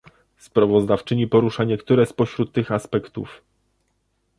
Sprawozdawczyni porusza niektóre spośród tych aspektów